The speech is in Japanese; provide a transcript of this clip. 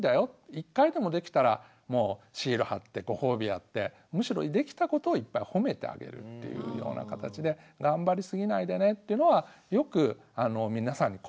１回でもできたらもうシール貼ってご褒美やってむしろできたことをいっぱい褒めてあげるというような形で頑張りすぎないでねっていうのはよく皆さんに声かけしてること。